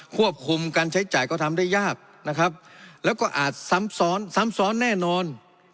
ควบคุมการใช้จ่ายก็ทำได้ยากนะครับแล้วก็อาจซ้ำซ้อนซ้ำซ้อนแน่นอน